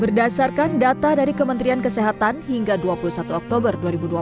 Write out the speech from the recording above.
berdasarkan data dari kementerian kesehatan hingga dua puluh satu oktober dua ribu dua puluh